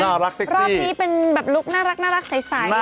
น่ารักเส็กซี่รอบนี้เป็นแบบลุคน่ารักใส